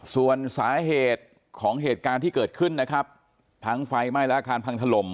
ส่วนสาเหตุของเหตุการณ์ที่เกิดขึ้นนะครับทั้งไฟไหม้และอาคารพังถล่ม